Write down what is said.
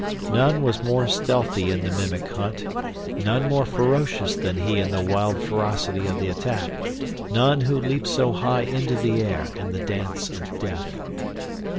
None was more stealthy in the mimic hunt, none more ferocious than he in the wild ferocity of the attack, none who leaped so high into the air in the Dance of Death.